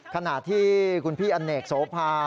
ขณะที่คุณพี่อเนกโสภา